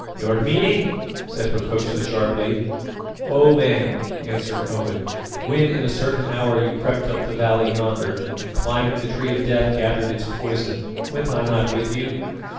"Your meaning?" said Hokosa sharply. "O man!" answered Owen, "when in a certain hour you crept up the valley yonder, and climbing the Tree of Death gathered its poison, went I not with you?